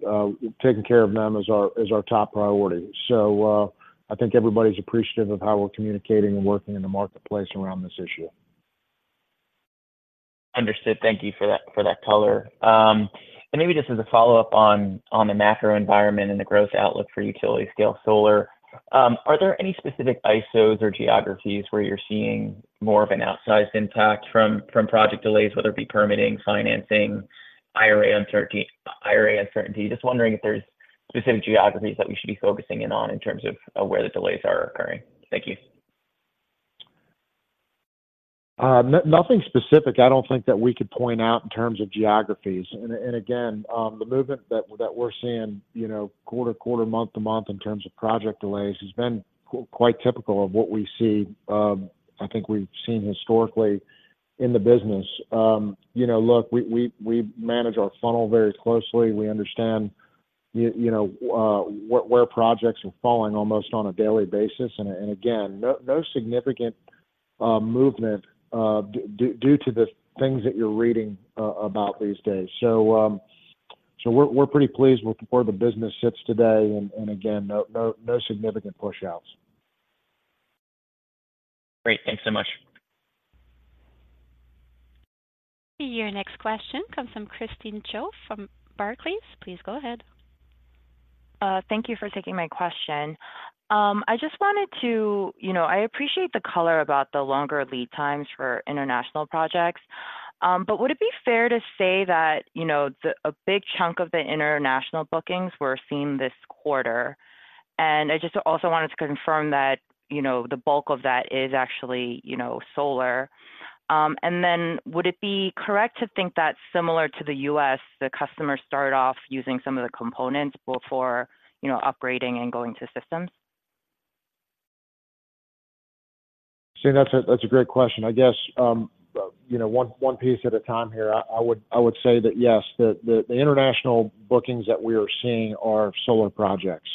taking care of them is our top priority. So, I think everybody's appreciative of how we're communicating and working in the marketplace around this issue. Understood. Thank you for that, for that color. And maybe just as a follow-up on, on the macro environment and the growth outlook for utility-scale solar, are there any specific ISOs or geographies where you're seeing more of an outsized impact from, from project delays, whether it be permitting, financing, IRA uncertainty, IRA uncertainty? Just wondering if there's specific geographies that we should be focusing in on in terms of, of where the delays are occurring. Thank you. Nothing specific I don't think that we could point out in terms of geographies. And again, the movement that we're seeing, you know, quarter to quarter, month to month in terms of project delays has been quite typical of what we see, I think we've seen historically in the business. You know, look, we manage our funnel very closely. We understand,... you know, where projects are falling almost on a daily basis. And again, no significant movement due to the things that you're reading about these days. So, we're pretty pleased with where the business sits today, and again, no significant pushouts. Great. Thanks so much. Your next question comes from Christine Cho from Barclays. Please go ahead. Thank you for taking my question. I just wanted to, you know, I appreciate the color about the longer lead times for international projects, but would it be fair to say that, you know, a big chunk of the international bookings were seen this quarter? And I just also wanted to confirm that, you know, the bulk of that is actually, you know, solar. And then would it be correct to think that similar to the U.S., the customers start off using some of the components before, you know, upgrading and going to systems? Christine, that's a great question. I guess, you know, one piece at a time here. I would say that, yes, the international bookings that we are seeing are solar projects.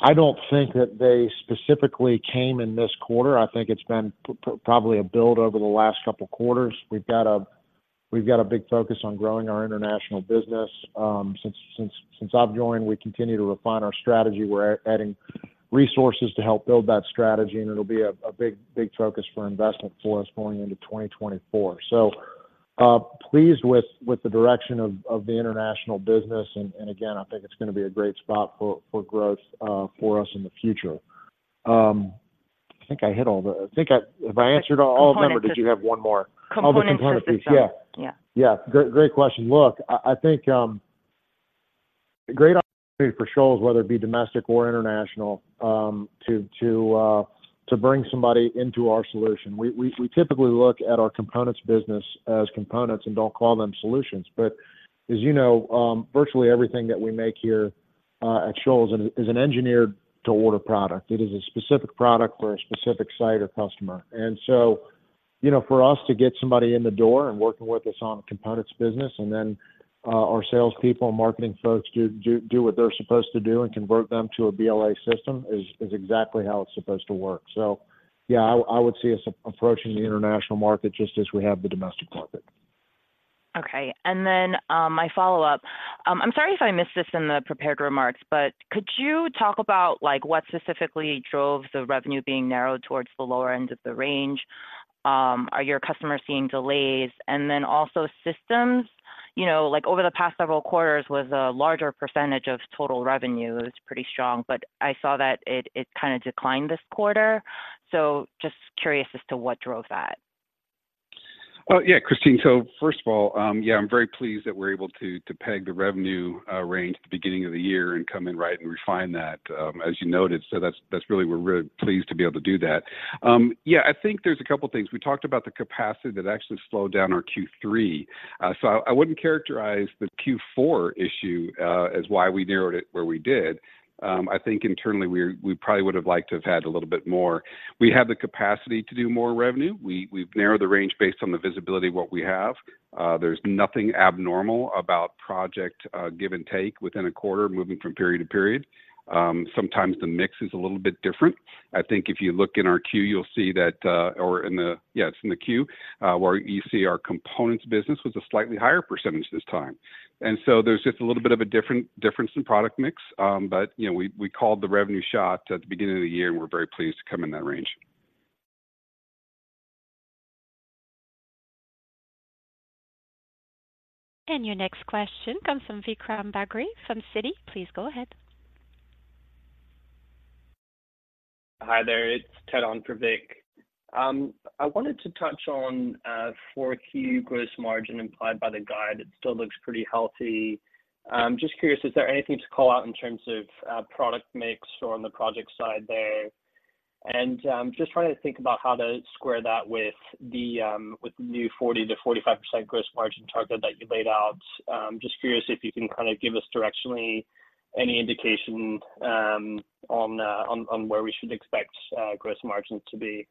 I don't think that they specifically came in this quarter. I think it's been probably a build over the last couple quarters. We've got a big focus on growing our international business. Since I've joined, we continue to refine our strategy. We're adding resources to help build that strategy, and it'll be a big focus for investment for us going into 2024. So, pleased with the direction of the international business. And again, I think it's gonna be a great spot for growth for us in the future. I think I hit all the... if I answered all of them, or did you have one more? Component to- Oh, the component piece. Yeah. Yeah. Great, great question. Look, I think a great opportunity for Shoals, whether it be domestic or international, to bring somebody into our solution. We typically look at our components business as components and don't call them solutions. But as you know, virtually everything that we make here at Shoals is an engineered-to-order product. It is a specific product for a specific site or customer. And so, you know, for us to get somebody in the door and working with us on a components business, and then our salespeople and marketing folks do what they're supposed to do and convert them to a BLA system is exactly how it's supposed to work. So yeah, I would see us approaching the international market just as we have the domestic market. Okay. And then, my follow-up. I'm sorry if I missed this in the prepared remarks, but could you talk about, like, what specifically drove the revenue being narrowed towards the lower end of the range? Are your customers seeing delays? And then also systems, you know, like, over the past several quarters, was a larger percentage of total revenue. It was pretty strong, but I saw that it, it kinda declined this quarter. So just curious as to what drove that. Well, yeah, Christine. So first of all, yeah, I'm very pleased that we're able to peg the revenue range at the beginning of the year and come in right and refine that, as you noted. So that's really. We're really pleased to be able to do that. Yeah, I think there's a couple of things. We talked about the capacity that actually slowed down our Q3. So I wouldn't characterize the Q4 issue as why we narrowed it where we did. I think internally, we probably would have liked to have had a little bit more. We have the capacity to do more revenue. We've narrowed the range based on the visibility of what we have. There's nothing abnormal about project give and take within a quarter, moving from period to period. Sometimes the mix is a little bit different. I think if you look in our Q, you'll see that, it's in the Q, where you see our components business was a slightly higher percentage this time. And so there's just a little bit of a difference in product mix. But, you know, we called the revenue shot at the beginning of the year, and we're very pleased to come in that range. Your next question comes from Vikram Bagri, from Citi. Please go ahead. Hi there, it's Ted on for Vik. I wanted to touch on 4Q gross margin implied by the guide. It still looks pretty healthy. Just curious, is there anything to call out in terms of product mix or on the project side there? Just trying to think about how to square that with the new 40%-45% gross margin target that you laid out. Just curious if you can kinda give us directionally any indication on where we should expect gross margins to be.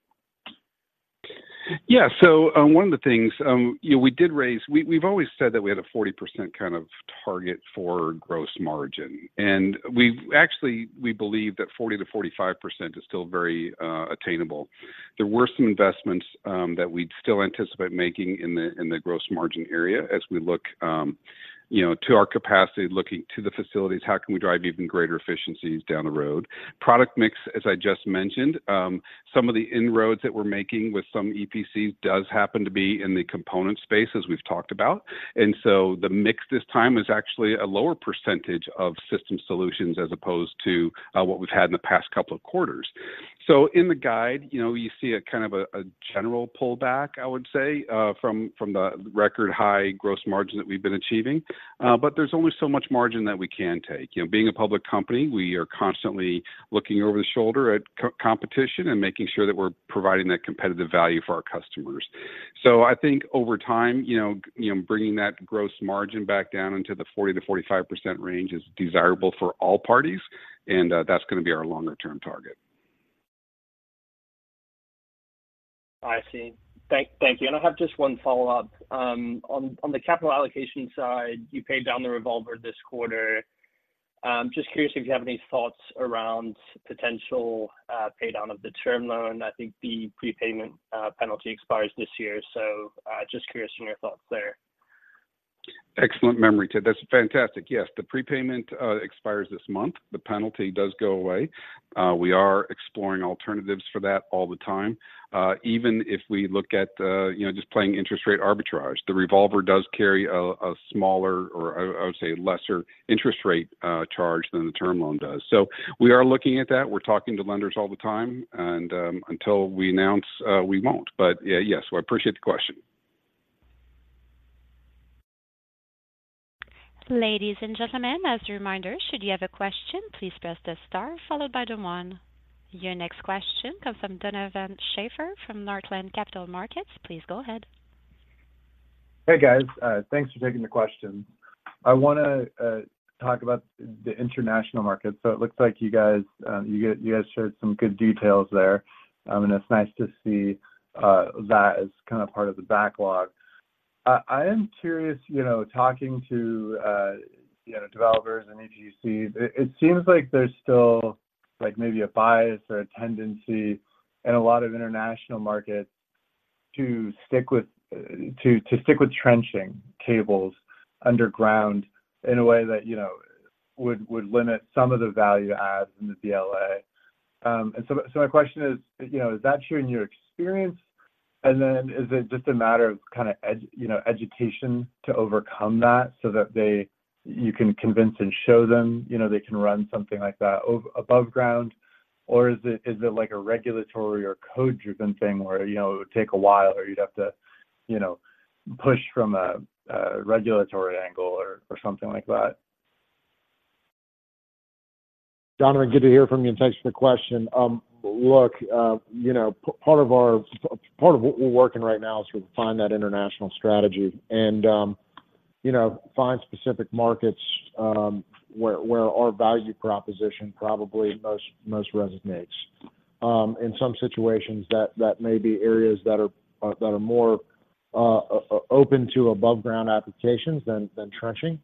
Yeah. So, one of the things, you know, we did raise—we, we've always said that we had a 40% kind of target for gross margin, and we've—actually, we believe that 40%-45% is still very attainable. There were some investments that we'd still anticipate making in the, in the gross margin area as we look, you know, to our capacity, looking to the facilities, how can we drive even greater efficiencies down the road? Product mix, as I just mentioned, some of the inroads that we're making with some EPCs does happen to be in the component space, as we've talked about. And so the mix this time is actually a lower percentage of system solutions as opposed to what we've had in the past couple of quarters. So in the guide, you know, you see a kind of a general pullback, I would say, from the record high gross margin that we've been achieving. But there's only so much margin that we can take. You know, being a public company, we are constantly looking over the shoulder at competition and making sure that we're providing that competitive value for our customers. So I think over time, you know, bringing that gross margin back down into the 40%-45% range is desirable for all parties, and that's gonna be our longer-term target. ... I see. Thank you. And I have just one follow-up. On the capital allocation side, you paid down the revolver this quarter. Just curious if you have any thoughts around potential pay down of the term loan. I think the prepayment penalty expires this year, so just curious on your thoughts there. Excellent memory, Ted. That's fantastic. Yes, the prepayment expires this month. The penalty does go away. We are exploring alternatives for that all the time. Even if we look at, you know, just playing interest rate arbitrage, the revolver does carry a smaller or I would say, a lesser interest rate charge than the term loan does. So we are looking at that. We're talking to lenders all the time, and until we announce, we won't. But, yeah, yes, so I appreciate the question. Ladies and gentlemen, as a reminder, should you have a question, please press the star followed by the one. Your next question comes from Donovan Schafer from Northland Capital Markets. Please go ahead. Hey, guys, thanks for taking the question. I wanna talk about the international market. So it looks like you guys shared some good details there, and it's nice to see that as kind of part of the backlog. I am curious, you know, talking to you know, developers and EPCs, it seems like there's still, like, maybe a bias or a tendency in a lot of international markets to stick with trenching cables underground in a way that, you know, would limit some of the value add in the BLA. And so my question is, you know, is that true in your experience? And then is it just a matter of kind of, you know, education to overcome that so that you can convince and show them, you know, they can run something like that above ground? Or is it like a regulatory or code-driven thing where, you know, it would take a while, or you'd have to, you know, push from a regulatory angle or something like that? Donovan, good to hear from you, and thanks for the question. Look, you know, part of what we're working right now is to refine that international strategy and, you know, find specific markets where our value proposition probably most resonates. In some situations, that may be areas that are more open to above-ground applications than trenching.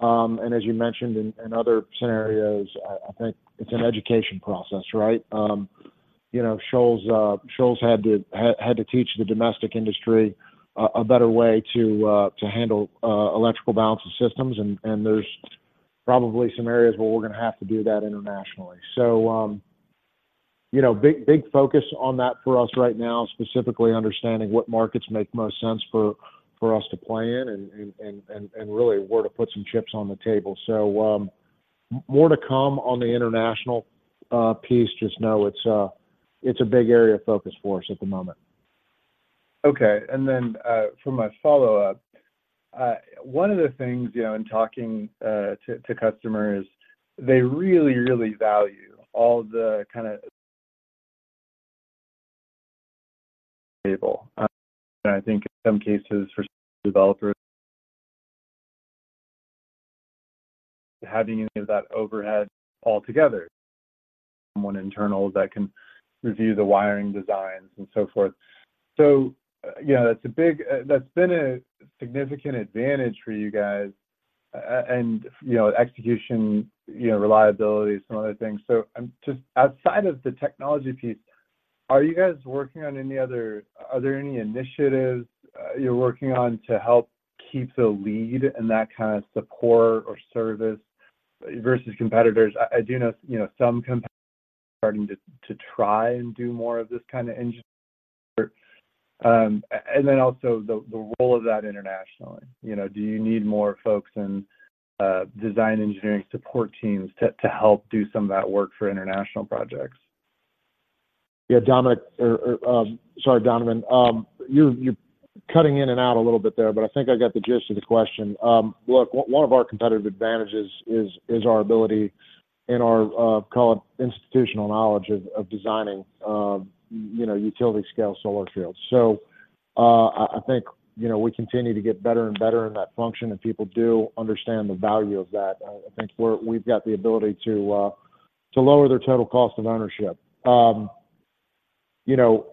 And as you mentioned in other scenarios, I think it's an education process, right? You know, Shoals had to teach the domestic industry a better way to handle electrical balance of systems, and there's probably some areas where we're going to have to do that internationally. So, you know, big, big focus on that for us right now, specifically understanding what markets make most sense for us to play in and really where to put some chips on the table. So, more to come on the international piece. Just know it's a big area of focus for us at the moment. Okay. And then, for my follow-up, one of the things, you know, in talking, to, to customers, they really, really value all the kind of support. And I think in some cases, for developers, having any of that overhead altogether, someone internal that can review the wiring designs and so forth. So, you know, that's a big... That's been a significant advantage for you guys, and, you know, execution, you know, reliability, some other things. So, just outside of the technology piece, are you guys working on any other-- are there any initiatives, you're working on to help keep the lead in that kind of support or service versus competitors? I do know, you know, some competitors are starting to, to try and do more of this kind of engineering. And then also the role of that internationally. You know, do you need more folks in design engineering support teams to help do some of that work for international projects? Yeah, Dominic, or sorry, Donovan, you're cutting in and out a little bit there, but I think I got the gist of the question. Look, one of our competitive advantages is our ability and our call it institutional knowledge of designing you know utility-scale solar fields. So I think you know we continue to get better and better in that function, and people do understand the value of that. I think we've got the ability to lower their total cost of ownership. You know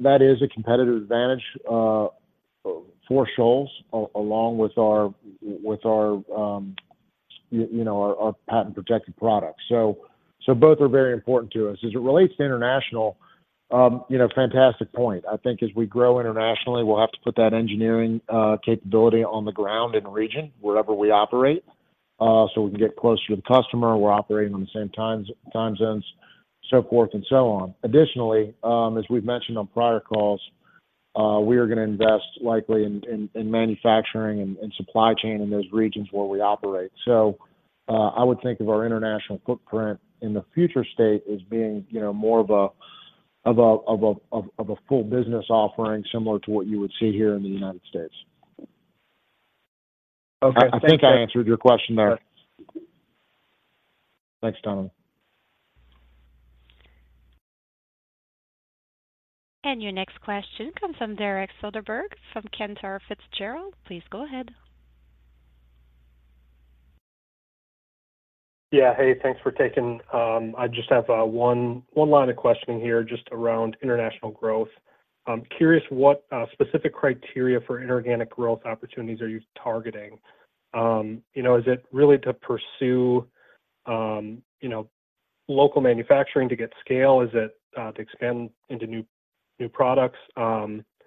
that is a competitive advantage for Shoals along with our you know our patent-protected products. So both are very important to us. As it relates to international you know fantastic point. I think as we grow internationally, we'll have to put that engineering capability on the ground in the region wherever we operate, so we can get closer to the customer. We're operating on the same time zones, so forth and so on. Additionally, as we've mentioned on prior calls, we are going to invest likely in manufacturing and supply chain in those regions where we operate. So, I would think of our international footprint in the future state as being, you know, more of a full business offering, similar to what you would see here in the United States. Okay, thank you. I think I answered your question there. Thanks, Donovan. Your next question comes from Derek Soderberg from Cantor Fitzgerald. Please go ahead.... Yeah. Hey, thanks for taking. I just have one line of questioning here, just around international growth. I'm curious, what specific criteria for inorganic growth opportunities are you targeting? You know, is it really to pursue you know, local manufacturing to get scale? Is it to expand into new products?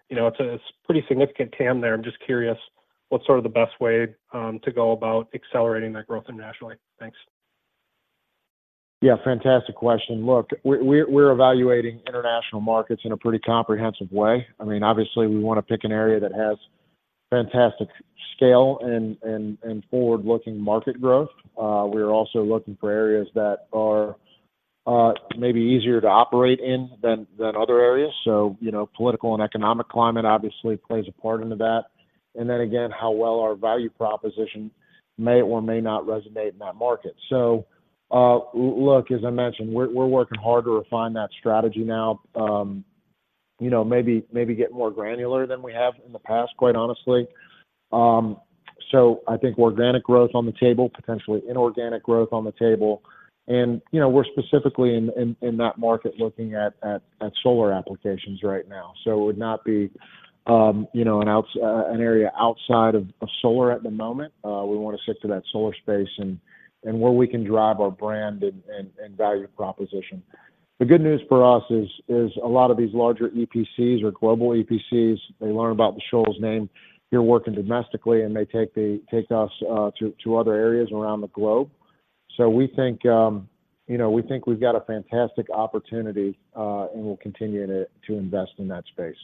You know, it's a pretty significant TAM there. I'm just curious, what's sort of the best way to go about accelerating that growth internationally? Thanks. Yeah, fantastic question. Look, we're evaluating international markets in a pretty comprehensive way. I mean, obviously, we want to pick an area that has fantastic scale and forward-looking market growth. We are also looking for areas that are maybe easier to operate in than other areas. So, you know, political and economic climate obviously plays a part into that. And then again, how well our value proposition may or may not resonate in that market. So, look, as I mentioned, we're working hard to refine that strategy now. You know, maybe get more granular than we have in the past, quite honestly. So I think organic growth on the table, potentially inorganic growth on the table. And, you know, we're specifically in that market looking at solar applications right now. So it would not be, you know, an area outside of solar at the moment. We want to stick to that solar space and where we can drive our brand and value proposition. The good news for us is a lot of these larger EPCs or global EPCs; they learn about the Shoals name. You're working domestically, and they take us to other areas around the globe. So we think, you know, we think we've got a fantastic opportunity, and we'll continue to invest in that space.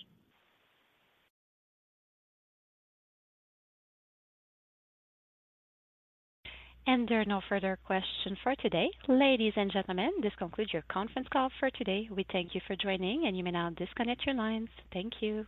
There are no further questions for today. Ladies and gentlemen, this concludes your conference call for today. We thank you for joining, and you may now disconnect your lines. Thank you.